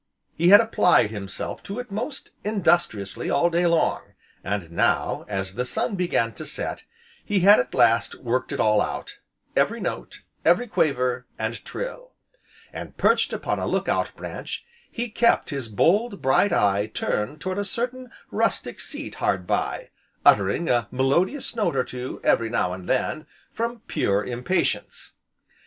He had applied himself to it most industriously all day long, and now, as the sun began to set, he had at last corked it all out, every note, every quaver, and trill; and, perched upon a look out branch, he kept his bold, bright eye turned toward a certain rustic seat hard by, uttering a melodious note or two, every now and then, from pure impatience.